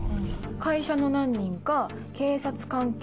会社の何人か警察関係